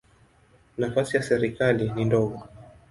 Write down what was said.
Nafasi ya serikali ni ndogo.